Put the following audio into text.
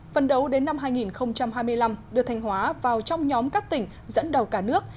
phần đầu đến năm hai nghìn hai mươi năm đưa thanh hóa vào trong nhóm các tỉnh dẫn đầu cả nước